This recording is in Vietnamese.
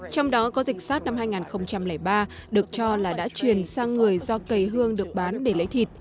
trong đó có dịch sát năm hai nghìn ba được cho là đã truyền sang người do cây hương được bán để lấy thịt